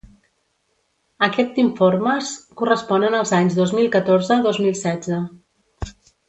Aquest informes corresponen als anys dos mil catorze-dos mil setze.